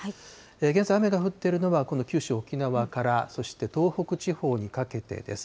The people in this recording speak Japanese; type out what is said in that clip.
現在、雨が降ってるのは、この九州、沖縄から、そして、東北地方にかけてです。